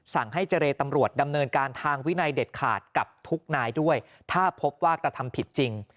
สั่งให้เจรตำรวจดำเนินการทางวินัยเด็ดขาดกับทุกนายด้วยถ้าพบว่ากระทำผิดจริง